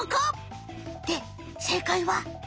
で正解は？